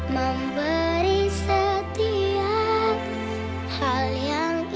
memberi setiap hal yang